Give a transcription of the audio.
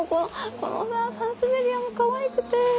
このサンスベリアもかわいくて。